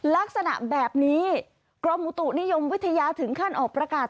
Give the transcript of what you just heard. ลักษณะแบบนี้กรมอุตุนิยมวิทยาถึงขั้นออกประกาศ